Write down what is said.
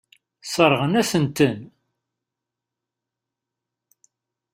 Sseṛɣen-asent-ten.